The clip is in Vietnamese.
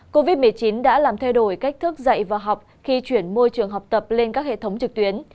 covid một mươi chín đã làm thay đổi cách thức dạy và học khi chuyển môi trường học tập lên các hệ thống trực tuyến